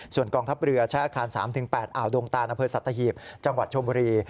ส่วนกองทัพเรือใช้อาคาร๓๘อ่าวดงตานอำเภอสัตหีบจังหวัดชมบุรี